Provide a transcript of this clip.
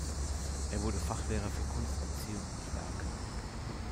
Er wurde Fachlehrer für Kunsterziehung und Werken.